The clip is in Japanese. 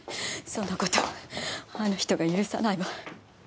そんな事あの人が許さないわ。